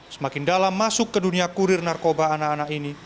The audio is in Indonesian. semakin dalam masuk ke dunia kurir narkoba anak anak ini